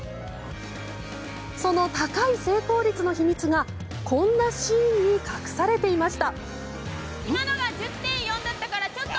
その高い成功率の秘密がこんなシーンに隠されていました。